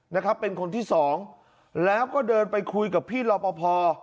นะครับเป็นคนที่สองแล้วก็เดินไปคุยกับพี่รอปภ